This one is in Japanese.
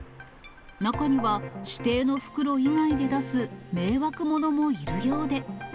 中には指定の袋以外で出す迷惑者もいるようで。